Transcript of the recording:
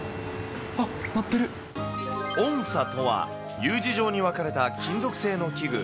あっ、音叉とは、Ｕ字状に分かれた金属製の器具。